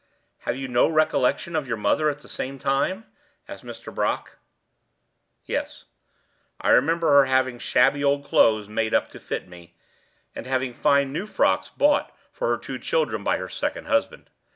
"Have you no recollection of your mother at the same time?" asked Mr. Brock. "Yes; I remember her having shabby old clothes made up to fit me, and having fine new frocks bought for her two children by her second husband.